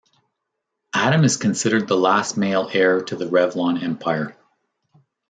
Adam is considered the last male heir to the Revlon empire.